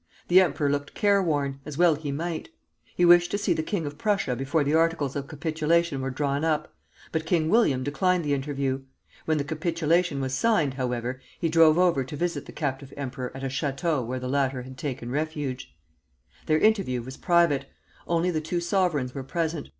The emperor looked care worn, as well he might. He wished to see the king of Prussia before the articles of capitulation were drawn up: but King William declined the interview. When the capitulation was signed, however, he drove over to visit the captive emperor at a château where the latter had taken refuge. Their interview was private; only the two sovereigns were present.